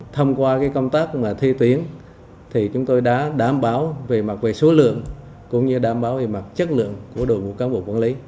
thông qua công tác thi tuyển thì chúng tôi đã đảm bảo về mặt về số lượng cũng như đảm bảo về mặt chất lượng của đội ngũ cán bộ quản lý